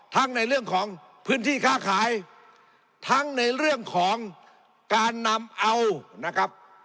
ในเรื่องของพื้นที่ค้าขายทั้งในเรื่องของการนำเอานะครับ